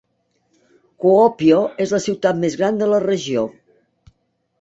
Kuopio es la ciutat més gran de la regió.